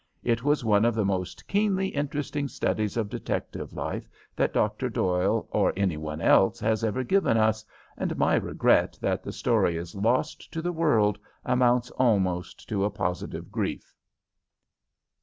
It was one of the most keenly interesting studies of detective life that Dr. Doyle or any one else has ever given us, and my regret that the story is lost to the world amounts almost to a positive grief.